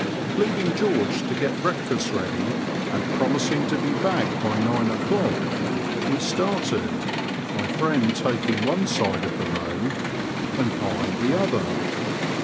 Leaving George to get break fast ready, and promising to be back by nine o'clock, we started, my friend taking one side of the road and I the other.